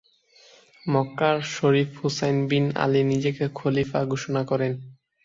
মক্কার Sharif Hussein bin Ali নিজেকে খলিফা ঘোষণা করেন।